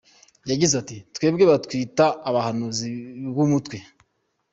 Yagize ati “Twebwe batwita abahanuzi b’umutwe.